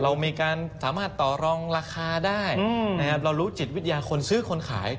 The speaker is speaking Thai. เรามีการสามารถต่อรองราคาได้นะครับเรารู้จิตวิทยาคนซื้อคนขาย